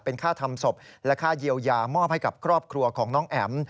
เป็นค่าทำศพและค่าเยียวยามอบให้กับครอบครัวของน้องแอ๋ม